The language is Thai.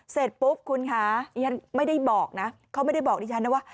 เสร็จปุ๊บคุณคะไม่ได้บอกนะเขาไม่ได้บอกดิฉันนะว่า